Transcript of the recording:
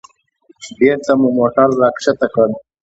بېرته مو موټر راښکته کړ.